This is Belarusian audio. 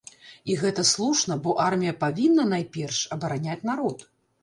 І гэта слушна, бо армія павінна, найперш, абараняць народ.